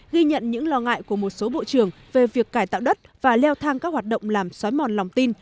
ghi nhận những lo ngại của một số bộ trưởng về việc cải tạo đất và leo thang các hoạt động làm xói mòn lòng tin